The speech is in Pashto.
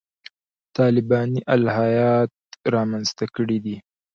طالباني الهیات رامنځته کړي دي.